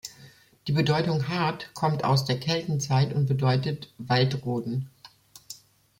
Die Bedeutung "hart" kommt aus der Keltenzeit und bedeutet „Wald roden“.